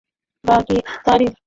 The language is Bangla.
বাঃ কী তারিফ!